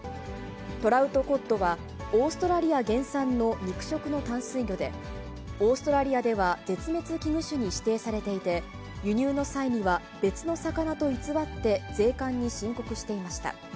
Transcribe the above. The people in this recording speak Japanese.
トラウトコッドは、オーストラリア原産の肉食の淡水魚で、オーストラリアでは絶滅危惧種に指定されていて、輸入の際には別の魚と偽って、税関に申告していました。